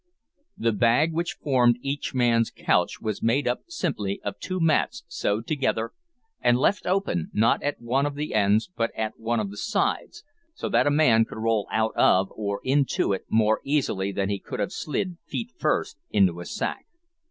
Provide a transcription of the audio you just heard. The "bag" which formed each man's couch was made simply of two mats sewed together, and left open, not at one of the ends but at one of the sides, so that a man could roll out of or into it more easily than he could have slid, feet first, into a sack.